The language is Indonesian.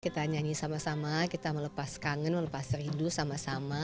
kita nyanyi sama sama kita melepas kangen melepas rindu sama sama